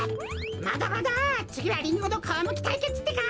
まだまだつぎはリンゴのかわむきたいけつってか！